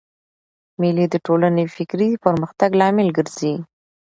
مېلې د ټولني د فکري پرمختګ لامل ګرځي.